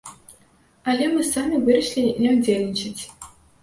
Але мы самі вырашылі не ўдзельнічаць.